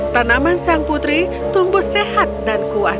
tanaman sang putri tumbuh sehat dan kuat